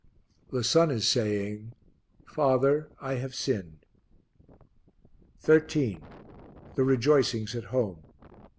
The son is saying, "Father, I have sinned." 13. The Rejoicings at Home.